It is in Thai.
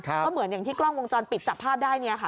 ก็เหมือนอย่างที่กล้องวงจรปิดจับภาพได้เนี่ยค่ะ